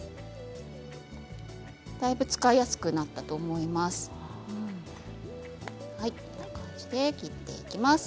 だいぶ使いやすくなったと思います。